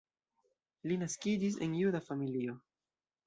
Li naskiĝis en juda familio.